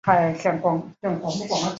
叉膜石蛏为贻贝科石蛏属的动物。